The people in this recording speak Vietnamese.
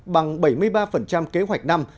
bằng bảy mươi ba kế hoạch năm